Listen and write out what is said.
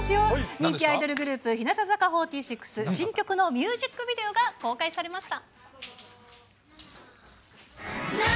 人気アイドルグループ、日向坂４６、新曲のミュージックビデオが公開されました。